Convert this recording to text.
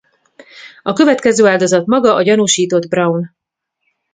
A következő áldozat maga a gyanúsított Braun.